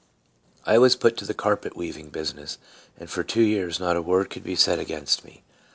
I WAS put to the carpet weaving business, and for two years not a word could be said against me.